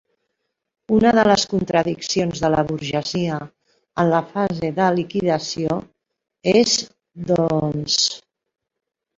Una de les contradiccions de la burgesia en la fase de liquidació és, doncs...